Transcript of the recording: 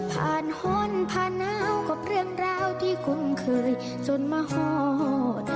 ผ่านห้นผ่านหนาวกับเรื่องราวที่คุ้นเคยจนมาหอด